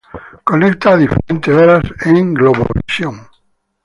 Conecta a diferentes horas con Globovisión.